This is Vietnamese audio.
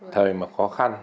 thời mà khó khăn